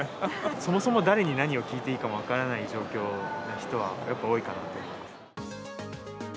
そもそも何を誰に聞いたらいいかも分からない状況の人はやっぱ多いかなと思いますね。